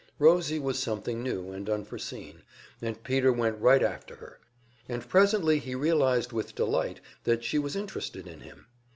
Rosie was something new and unforeseen, and Peter went right after her, and presently he realized with delight that she was interested in him.